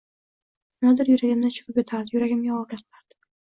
Nimadir yuragimda cho‘kib yotardi, yuragimga og‘irlik qilardi